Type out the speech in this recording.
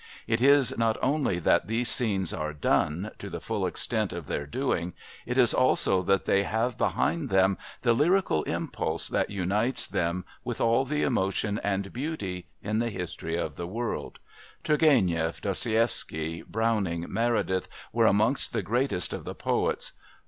It is not only that these scenes are "done" to the full extent of their "doing," it is also that they have behind them the lyrical impulse that unites them with all the emotion and beauty in the history of the world; Turgéniev, Dostoievsky, Browning, Meredith were amongst the greatest of the poets.